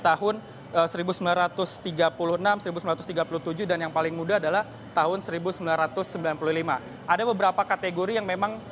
tahun seribu sembilan ratus tiga puluh enam seribu sembilan ratus tiga puluh tujuh dan yang paling muda adalah tahun seribu sembilan ratus sembilan puluh lima ada beberapa kategori yang memang